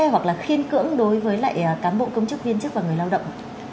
hoặc là khiên cưỡng đối với lại cán bộ công chức viên chức và người lao động